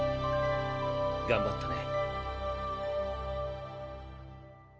頑張ったね。